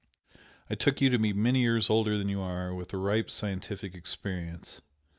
I took you to be many years older than you are, with a ripe scientific experience.